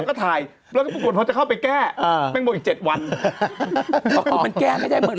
เปล่าเปลี่ยนแล้วเขาบอกอีกเจ็ดวันก็จะเปลี่ยน